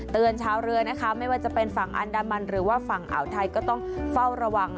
ชาวเรือนะคะไม่ว่าจะเป็นฝั่งอันดามันหรือว่าฝั่งอ่าวไทยก็ต้องเฝ้าระวัง